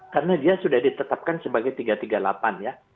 karena dia sudah ditetapkan sebagai tiga ratus tiga puluh delapan ya